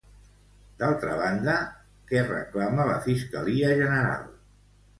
D'altra banda, què reclama la fiscalia general?